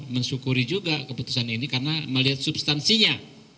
mensyukuri juga keputusan ini karena melihat substansinya